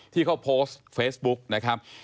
ที่เขาโพสต์เฟซบุ๊กนะครับ